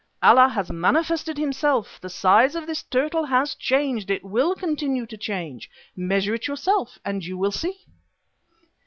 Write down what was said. Allah has manifested himself; the size of this turtle has changed. It will continue to change. Measure it yourself and you will see."